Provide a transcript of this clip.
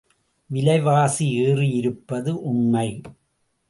விலைவாசி ஏறியிருப்பது உண்மை.